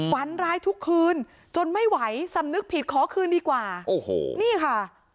ฝันร้ายทุกคืนจนไม่ไหวสำนึกผิดขอคืนดีกว่าโอ้โหนี่ค่ะ